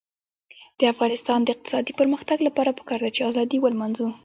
د افغانستان د اقتصادي پرمختګ لپاره پکار ده چې ازادي ولمانځو.